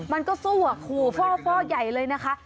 มันก็สู้อ่ะขู่ฟ่อใหญ่เลยนะคะ